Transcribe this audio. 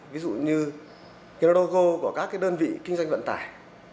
ví dụ như cái logo của các cái đơn vị kinh doanh vận tải